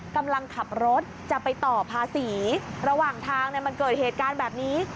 กำลังขับรถจะไปต่อภาษีระหว่างทางมันเกิดเหตุการณ์แบบนี้